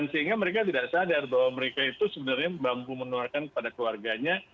sehingga mereka tidak sadar bahwa mereka itu sebenarnya mampu menularkan kepada keluarganya